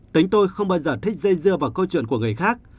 tính tôi không bao giờ thích dây dưa vào câu chuyện của người khác